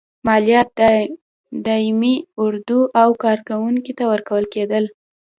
مالیات دایمي اردو او کارکوونکو ته ورکول کېدل.